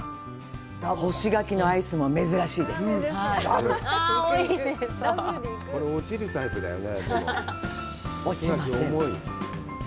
干し柿のアイスも珍しいですよね。